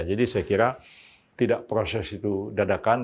jadi saya kira tidak proses itu dadakan